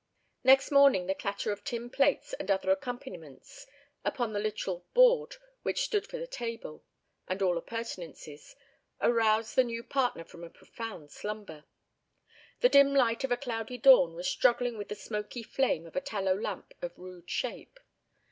Next morning the clatter of tin plates, and other accompaniments, upon the literal "board" which stood for the table and all appurtenances, aroused the new partner from a profound slumber. The dim light of a cloudy dawn was struggling with the smoky flame of a tallow lamp of rude shape.